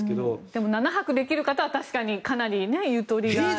でも、７泊できる方はかなりゆとりが。